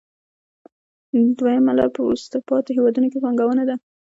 دویمه لار په وروسته پاتې هېوادونو کې پانګونه ده